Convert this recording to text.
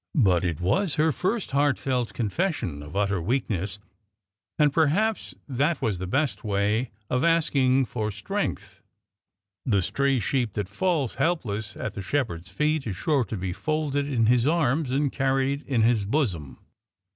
But it was her first heartfelt confession of utter weakness, and perhaps that was the best way of asking for strength. The stray sheep that falls helpless at the Shepherd's feet is sure to be folded in His arms and carried in His bosom.